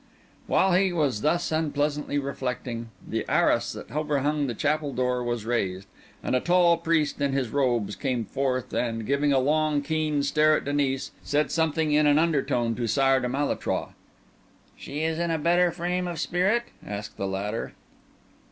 While he was thus unpleasantly reflecting, the arras that overhung the chapel door was raised, and a tall priest in his robes came forth and, giving a long, keen stare at Denis, said something in an undertone to Sire de Malétroit. "She is in a better frame of spirit?" asked the latter.